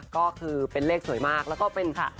ก็คือเป็นเลขสวยมากแล้วก็เป็นค่ะ